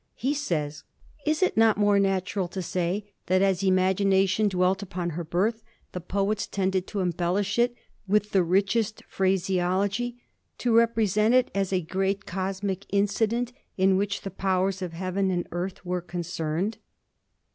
He says: "Is it not more natural to say that as imagination dwelt upon her birth the poets tended to embellish it with the richest phraseology, to represent it as a great cosmic incident in which the powers of heaven and earth were concerned?"